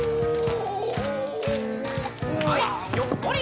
「はいひょっこりはん」。